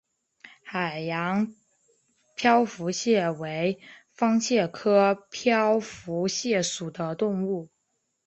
海洋漂浮蟹为方蟹科漂浮蟹属的动物。